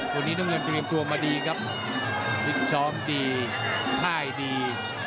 วันนี้น้ำเงินเตรียมตัวมาดีครับฟิตซ้อมดีค่ายดี